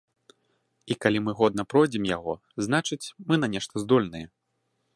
І калі мы годна пройдзем яго, значыць, мы на нешта здольныя.